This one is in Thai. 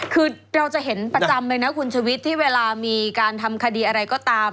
คือเราจะเห็นประจำเลยนะคุณชวิตที่เวลามีการทำคดีอะไรก็ตาม